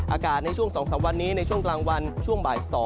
อากาศในช่วง๒๓วันนี้ในช่วงกลางวันช่วงบ่าย๒